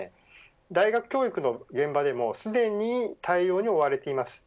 大学教育の現場でもすでに、対応に追われています。